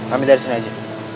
ambil dari sini aja